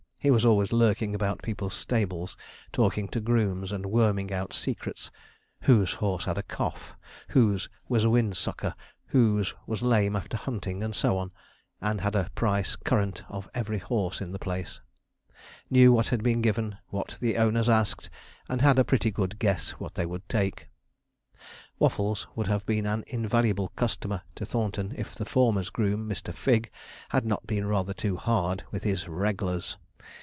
He was always lurking about people's stables talking to grooms and worming out secrets whose horse had a cough, whose was a wind sucker, whose was lame after hunting, and so on and had a price current of every horse in the place knew what had been given, what the owners asked, and had a pretty good guess what they would take. Waffles would have been an invaluable customer to Thornton if the former's groom, Mr. Figg, had not been rather too hard with his 'reg'lars.'